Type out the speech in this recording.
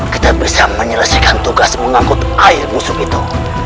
kita bisa menyelesaikan tugas mengangkut air busuk itu